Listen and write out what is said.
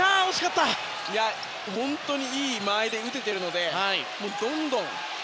本当にいい間合いで打てているので。